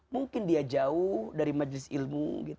mungkin dia jauh dari majlis ilmu